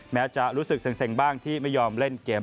แม้จะรู้สึกเซ็งบ้างที่ไม่ยอมเล่นเกม